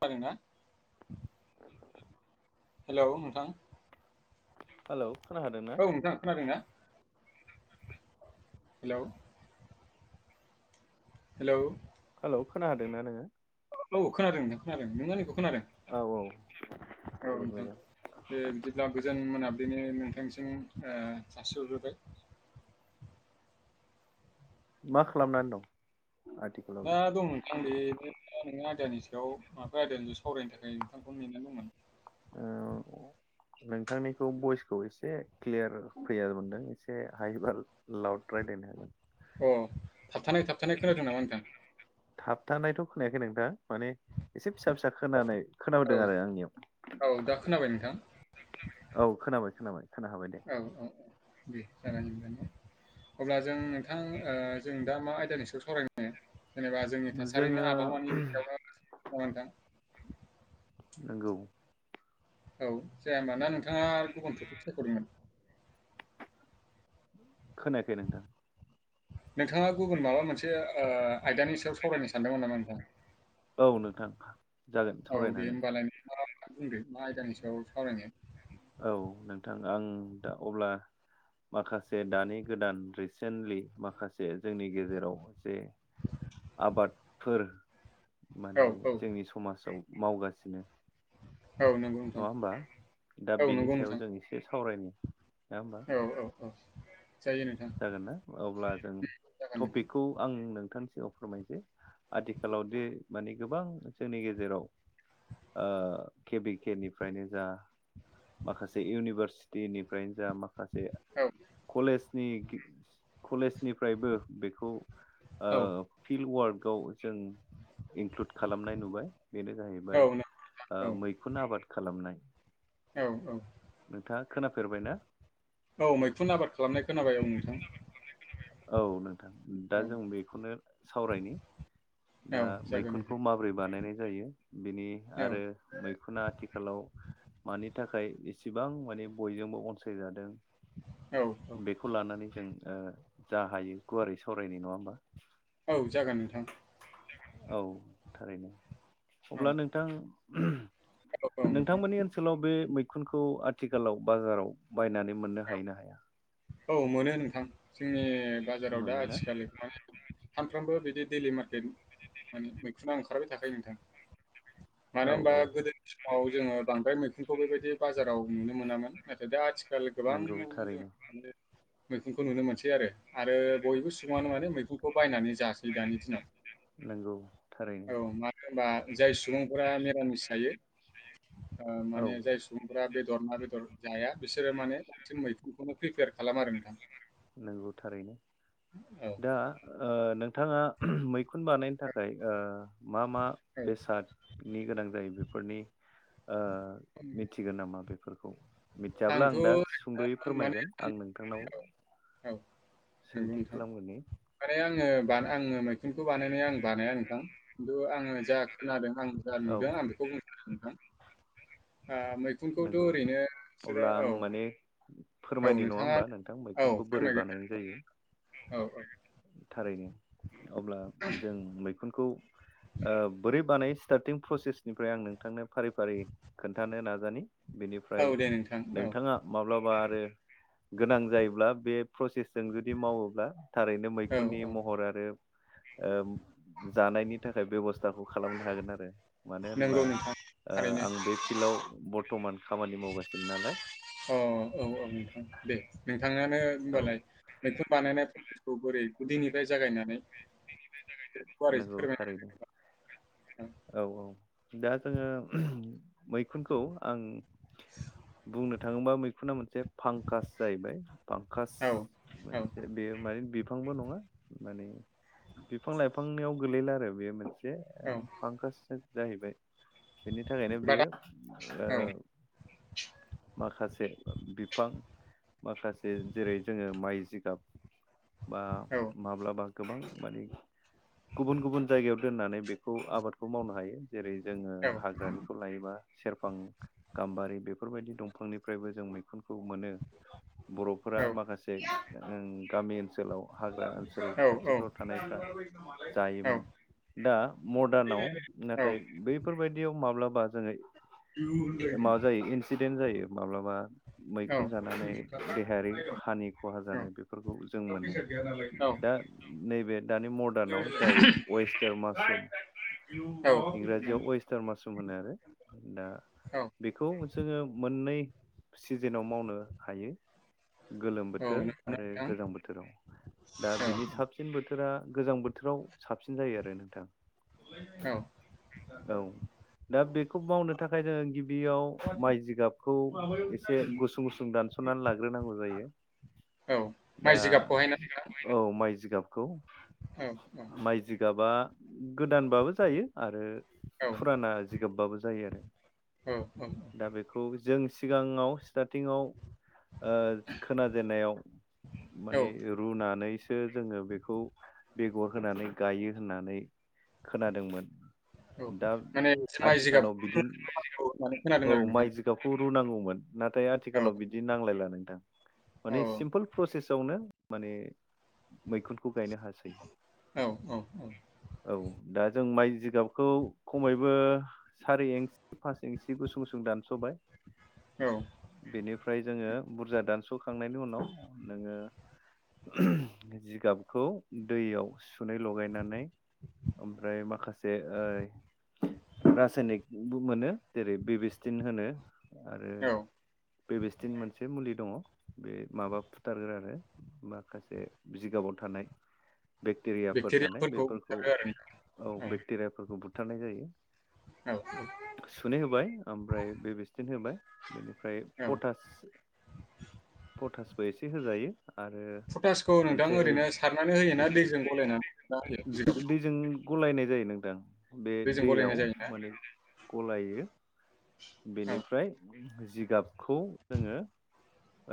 खोनादों ना? [unintelligible] हेलौ नोंथां हेलौ खोनाहादोंना औ नोंथां खोनादों ना? हेलौ हेलौ हेलौ खोना होदोंना नोङो? औ खोनादों नों खोनादों। नों आंनिखौ खोनादों? औ औ औ जोबोद नोंथां मोजां दे बिदिब्ला गोजोन मोनाब्लिनि नोंथां निसिम ओ जासिहरग्रोबाय मा खालामनानै दं? दा आथिखालावलाय दं नोंथां बेनो नों आं आयदानि सायाव माबा आयदानि सावरायनो थाखाय नोंथांखौ नेेनदोंमोन आं। ओव नोंथांनिखौ भइसखौ एसे क्लियार फैया मोनदों एसे हाइ बा लाउड रायलायनो हागोन अ थाबथानाय थाबथानाय खोनादों नामा नोंथां? थाबथानायथ' खोनायाखै नोंथां माने एसे फिसा फिसा खोनानाय औ खोनाबोदों आरो आंनियाव औ दा खोनाबाय नोंथां औ खोनाबाय। खोनाबाय खोना हाबाय दे औ औ औ दे जागोन [inaudible] अब्ला जों नोंथां ओ जों दा मा आयदानि सायाव सावरायनो? जेनेबा जोंनि जोङो थासारिनि आबहावानि सायाव नोंथां नोंगौ औ जाया होनबा ना नोंथाङा गुबुनखौफोरखौ सायख'दोंमोन? खोनायाखै नोंथां। नोंथाङा गुबुन माबा मोनसे ओ आयदानि सायाव सावरायनो सानदोंमोन नामा नोंथां? औ नोंथां जागोन औ सावरायनो दे हागोन होमबालाय नोंथाङा बुंदो मा आयदानि सायाव सावरायनो? औ नोंथां आं दा अब्ला माखासे दानि गोदान रिसेन्टलि माखासे जोंनि गेजेराव जे आबादफोर औ माने औ जोंनि समाजाव मावगासिनो औ नंगौ नोंथां नङा होमबा दा औ बेनि नंगौ सायाव नोंथां। जों एसे सावरायनि नङा होमबा! औ औ औ जायो नोंथां। जागोन ना? अब्ला जों उम जागोन नोंथां। टपिकखौ आं नों थांनि सिगाङाव फोरमायजे आथिखालाव दिे माने गोबां जोंनि गेजेराव ओ केबि केे निफ्रायनो जा माखासे इउनिभारसिटिनिफ्रायनो जा माखासे औ कलेज नि कलेजनिफ्रायबो बेखौ ओ औ फिल्ड वार्क खौ जों इनक्लुद खालामनाय नुबाय। बेनो जाहैबाय औ नोंथां ओ औ मैखुन आबाद खालामनाय। औ औ नोंथाङा खोनाफेरबाय ना? औ मैखुन आबाद खालामनाय खोनाबाय औ नोंथां। औ नोंथां। दा औ जों बेखौनो सावरायनि। दा औ जागोन मैखुनखौ नोंथां। माबोरै बानायनाय जायो बिनि आरो औ मैखुना आथिखालाव मानि थाखाय एसे बां माने बयजोंबो अनसायजादों औ औ बेखौ लानानै। जों जा हायो गुवारै सावरायनि नङा होमबा। औ जागोन नोंथां। औ थारैनो औ अब्ला नोंथां। औ औ नोंथां। नोंथांमोननि ओनसोलाव बे मैखुनखौ आथिखालाव बाजाराव। बायनानै मोननो औ हायोना हाया। औ मोनो नोंथां जोंनि बाजाराव दा मोनोना आथिखाल माने सानफ्रामबो बिदि। दैलि मार्केट माने मैखुना ओंखारबाय थाखायो नोंथां औ मानो होनबा औ गोदो। आव जोंओ बांद्राय मैखुनखौ बेबायदि बाजाराव नुनो मोनामोन नाथाय दा आथिखाल। गोबां नंगौ न'आवनो जों थारैनो मोनो। मैखुनखौ नुनो मोनसै आरो बयबो सुबुङानो माने मैखुनखौ बायनानै। जासै दानि दिनाव नंगौ थारैनो औ मानो होमब्ला जाय सुबुं। सुबुंफोरा मिरामिस जायो औ माने जाय सुबुंफोरा बे दर ना बेदर जाया बिसोरो माने ओंख्रि मुंयै मैखुनखौनो प्रिपेयार खालामनानै। नंगौ थारैनो औ, दा ओ। नोंथाङा मैखुन बानायनो औ, थाखाय ओ। मा मा औ। बेसादनि गोनां जायो बेफोरनि। मिथिगोन नामा बेफोरखौ। मिथियाब्ला आंथ' आं दा सुंद'यै ओरैनो माने फोरमायगोन आं नोंथांनाव। औ नंगौ सोंथि नोंथां खालामग्रोनि माने आंओ बानाय आंओ। मैखुनखौ बानायनाया आं बानाया नोंथां खिन्थु आंओ जा खोनादों आं जा औ नुदों आं बेखौ बुंनो नोंथां। ओ मैखुनखौथ' नंगौ ओरैनो बिसोरो अब्ला औ, आं माने। औ फोरमायनि नङा नोंथाङा होमबा नोंथां औ मैखुनखौ बोरै बानायनाय फोरमायग्रोदो। जायो। औ औ। थारैनो अब्ला जों मैखुनखौ बोरै बानायै। सिथारथिं प्रसेसनिफ्राय आं नोंथांनो फारि फारि खोन्थानो नाजानि। औ बेनिफ्राय दे नोंथां। औ, नोंथाङा माब्लाबा आरो गोनां जायोब्ला बे प्रसेस। जों जुदि मावोब्ला थारैनो औ, मैखुननि औ महर आरो। जानायनि थाखाय बेबस्था। खौ खालामनो हागोन आरो मानो होनब्ला नंगौ नोंथां थारैनो। आं बे फिल्डआव। बर्थ'मान खामानि मावगासिनो नालाय। औ औ औ नोंथां दे। बिथाङानो औ होनबालाय मैखुन बानायनाय प्रसेसखौ बोरै गुदिनिफ्राय जागायनानै। गुवारै नंगौ फोरमायना थारैनो होदो। औ औ। दा जोंओ मैखुनखौ आं। बुंनो थाङोबा मैखुना मोनसे फांकास जाहैबाय फांकास औ, औ, मोनसे बेयो माने बिफांबो नङा माने बिफां लाइफांनियाव गोलैला आरो बेयो मोनसे। औ मोनसे फांकास जाहैबाय। बेनि थाखायनो बेयो बादाम औ, माखासे बिफां। माखासे जेरै जोंओ माइ जिगाब बा औ, माब्लाबा। गोबां माने गुबुन गुबुन जायगायाव दोननानै बेखौ आबादखौ मावनो हायो। जेरै जोंओ औ, हाग्रानिखौ लायोबा। सेरफां गाम्बारि बेफोरबायदि दंफांनिफ्रायबो जों मैखुनखौ मोनो। बर'फोरा माखासे ओं गामि ओनसोल ओनसोलाव हाग्रा ओनसोल औ, औ। खाथिफ्राव थानाय औ। दा मदार्नाव औ नाथाय बैफोरबायदियाव माब्ला बा जोङो माबा जायो इनसिदेन्ट जायो माब्लाबा औ मैखुन औ। जानानै देहायारि हानि खहा जानाय बेफोरखौ जों मोनो। औ। दा नैबे दानि मदार्नाव जाय वेस्टार्न मासरुम औ। इंराजियाव वस्टार मासरुम होनो आरो दा औ बेखौ जोङो मोननै सिजेनाव मावनो हायो। गोलोम औ बोथोर नंगौना आरो नोंथां? गोजां बोथोराव दा औ बेनि साबसिन बोथोर बोथोरा गोजां बोथोराव साबसिन जायो आरो नोंथां औ औ दा बे खौ मावनो थाखाय जोङो गिब बेयाव माइ जिगाबखौ एसे गुसुं गुसुं दानसनानै लाग्रोनांगौ जायो। औ दा माइ जिगाबखौहाय ना नोंथां? औ माइ जिगाब। औ औ। बा गोदानबाबो जायो आरो औ फुराना जिगाबबाबो जायो आरो औ दा बेखौ जों सिगाङाव स्टारटिंआव ओ खोनाजेननायाव माने औ रुनानै सो सो जोङो बेखौ बेगर होनानै गायो होननानै खोनादोंमोन। औ दा माने माइ आथिखालाव जिगाबखौ होननानै बिदिनो खोनादों औ आरो नोंथां। माइ जिगाबखौ रुनांगौमोन नाथाय औ आथिखालाव बिदि नांलाय लानो। औ माने सिम्पोल प्रसेसआवनो माने मैखुन खौ गायनो हासै औ औ दा जों माइ जिगाबखौ खमैबो सारि इंसि फास इंसि गुसुं गुुं दानसबाय औ बिनिफ्राय जोंङो बुरजा दानस सौखांनायनि उनाव नोङो ओहोम जिगाबखौ दैयाव सुै लगायनानै ओमफ्राय माखासे ओय रासायनिकबो मोनो जेरै बेबिस थिन होनो आरो औ बे बिस्टिन मोनसे मुलि दङ बे माबा फुथारग्रो आरो माखासे जिगाबाव थानाय [inaudible] बेक्टेरियाफोर थानाय बेक्टेरियाफोरखौ बेफोरखौ बुथारो आरो औ बेक्टेरियाफोरखौ बुथारनाय जायो। औ औ सुनोय होबाय ओमफ्राय बे बेस्टिन होबाय बेनो ओमफ्राय औ पटास पटासबो एसे होजायो। आरो पटासखौ नोंथां मोनसे ओरैनो सारनानै होयोना दैजों गलायनानै ना होयो जिगाबखौ दैजों गलायनाय दैजों गलायनाय जायोना? औ बेनिफ्राय जिगाबखौ जोङो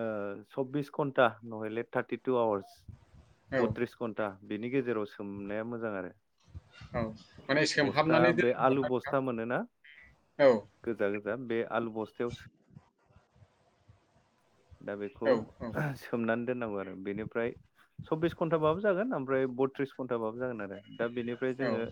ओ सबबिस घन्टा नहले थार्टि टु आवार्स औ बथ्रिस घन्टा बिनि गेजेराव सोमनाया मोजां आरो औ माने बस्था सोमहाबनानै बे दोननांगौ आलु ना नोंथां? बस्था मोन औ बे आलु बस्थायाव सो दा औ बेखौ औ आह सोमनान दोननांगौ आरो बेनिफ्राय सब्बिस घन्टाबाबो जागोन ओमफ्राय बथ्रिस घन्टाबाबो जागोन आरो दा बेनिफ्राय औ जोङो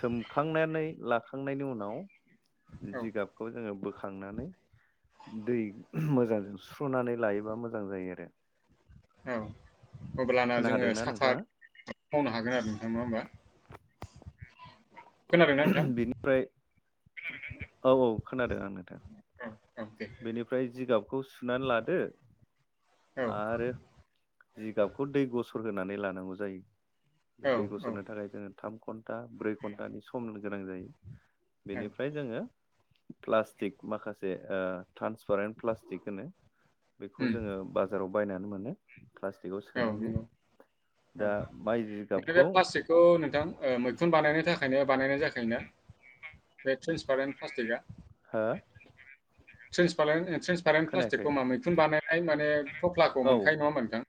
सोमखांनानै लाखांनायनि उनाव औ जिगाबखौ जोङो बोखांनानै दै उम मोजांजों सुनानै लायोबा मोजां जायो आरो औ अब्लाना खोना जोङो हादोंना साफा नोंथाङा मावनो हागोन आरो नोंथां नङा होमबा? [unintelligible] खोनादोंना नोंथां? बेनिफ्राय औ औ खोनादों आं नोंथां औ औ दे बेनिफ्राय जिगाबखौ सुनानै लादो औ आरो जिगाबखौ दै गुसु होनानै लानांगौ औ जायो दै औ गसरनो थाखाय जोङो थाम घन्टा ब्रै घन्टानि सम गोनां जायो औ बेनिफ्राय जोङो प्लास्टिक माखासे ओ ट्रान्सपारेन्ट प्लास्टिक होनो बेखौ उम जोङो बाजाराव बायनानै मोनो प्लास्टिकआव औ सोनांगौ नंगौ दा माइ औ बे जिगाबखौ प्लास्टिकखौ नोंथां मैखुन बानायनो थाखायनो बानायनाय जाखो थाखायनो बे ट्रेन्सपारेन्ट प्लास्टिकआ हो ट्रेन्सपेन् ट्रन्सपारेन्ट खोनायाखै प्लास्टिकखौ मा मैखुन बानाय माने थफ्लाखौ औ मोनखायो नङा होमबा नोंथां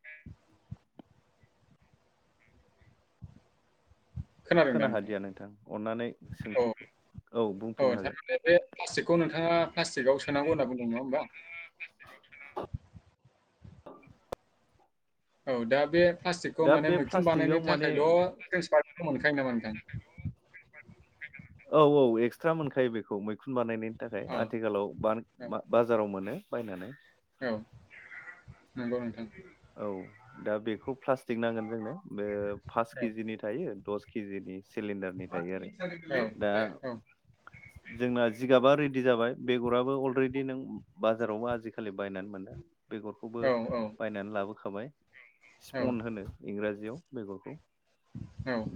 खोनादों दा खोनाहादिया नोंथां अननानै औ सोंथि औ औ बुंफिननो हागोन थारमाने बे प्लास्टिकखौ नोंथाङा प्लास्टिकआव सोनांगौ होनना बुंदों नङा होमबा औ दा बे प्लास्टिकखौ दा माने बे मैखुन प्लास्टिकआव बानायनो माने थाखायल' औ ट्रेन्सफार मोनखायो नामा नोंथां औ औ एक्सट्रा मोनखायो बेखौ मैखुन बानायनायनि बेनि औ थाखाय औ आथिखालाव बाजाराव मोनो बायनानै औ नंगौ नोंथां औ दा बेखौ प्लास्टिक नांगोन जोंनो बे पास औ केजिनि थायो दस केजिनि सिलिणडारनि औ थायो आरो औ दा जोंना जिगाबा रेडि जाबाय बेगराबो अलरेडि नों बाजारावबो आजिखालि खालि बायनानै मोनो बेगरखौबो औ बायनानै लाबोखाबाय औ स्पन होनो इंराजियाव बेगरखौ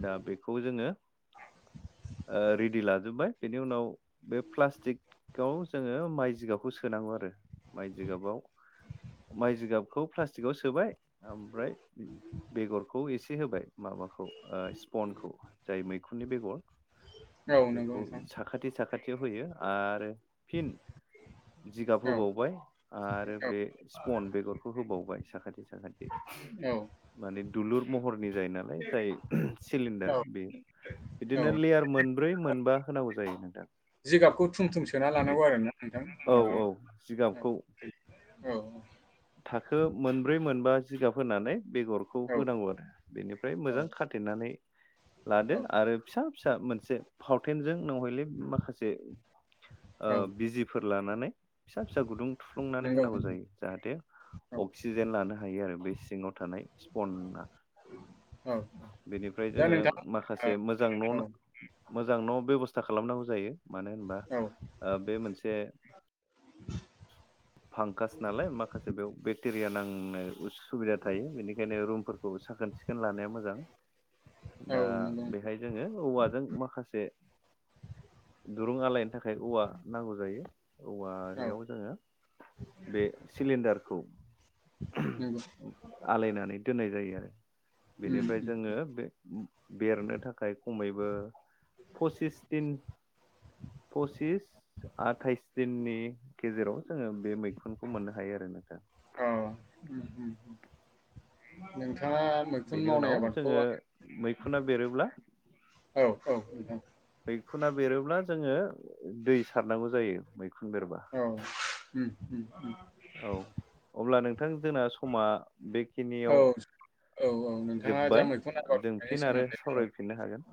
दा बेखौ जोङो रेडि लाजोबबाय बेनि उनाव बे प्लास्टिक गाव जोङो माइ जिगाबखौ सोनांगौ आरो माइ जिगाबाव माइ जिगाबखौ प्लास्टिकआव सोबाय ओमफ्राय बेगरखौ एसे होबाय माबाखौ स्पनखौ जाय मैखुननि बेगर औ नंगौ बेखौ नोंथां साखाथि साखाथियाव होयो आरो फिन जिगाब औ होबावबाय आरो बे स्पन बेगरखौ होबावबाय साखाथि साखाथि औ माने दुलुर महर नि जायो नालाय जाय सिलिडार औ बेयो औ बिदिनो लेयार मोनब्रै मोनबा होनांगौ जायो नोंथां जिगाबखौ थुम थुम सोना लानांगौ आरोना नोंथां औ औ जिगाबखौ माबायाव औ थाखो मोनब्रै मोनबा जिगाब होनानै बेगरखौ औ होनांगौ आरो बेनिफ्राय औ मोजां खाथेनानै लादो औ आरो फिसा फिसा मोनसे फावटेनजों नहयले माखासे औ बिजफोर लानानै फिसा फिसा गुदुं ग थुफ्लुंनानै नंगौ होनांगौ नोंथां जायो जाहाथे औ अक्सिजेन लानो हायो आरो बे सिङाव था स्पना औ बेनिफ्राय दा जोङो नोंथां माखासे मोजां ओ न' औ मोजां न' बेब'स्था खालामनांगौ जायो मानो होनबा औ बे मोनसे फांगास नालाय माखासे बेयाव बेक्टेरिया नांनोबो सुबिदा थायो बेनिखायनो रुमफोरखौ साखोन सिखोन लानाया मोजां औ दा नंगौ बेहाय जोङो औवाजों माखासे दुरुं आलायनो थाखाय नाथाय औवा नांगौ जायो नोंथां औ औवायाव जोङो बे सिलिणडारखौ नंगौ आलायनानै दोननाय जायो आरो उम बेनिफ्राय उम जोङो बेरनो थाखाय खमैबो फसिस दिन फसिस आथाइस दिननि गेजेराव जोङो बे मैखुनखौ मोननो हायो आरो नोथां। नों बेनि उनाव जोङो मैखुना बेरोब्ला औ औ नोंथां मैखुना बेरोब्ला जोङो दै सारनांगौ जायो मैखुन बेरबा। औ उम उम उम औ अब्ला नोंथां जोंना समा औ बेखिनियाव औ नोंथाङा जा जोब्बाय मैखुन आबाद जों मावनायनि फिन आरो सोमोन्दै औ सावरायफिननो हागोन।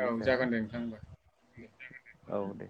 औ सायावनो जागोन दे नोंथां। दे। औ दे।